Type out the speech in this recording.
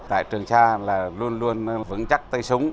tại trường sa là luôn luôn vững chắc tay súng